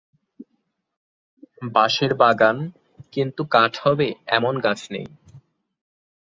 বাশের বাগান কিন্তু কাঠ হবে এমন গাছ নেই।